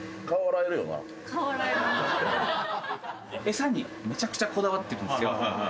餌にめちゃくちゃこだわってるんですよ。